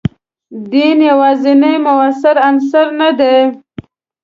دین یوازینی موثر عنصر نه دی.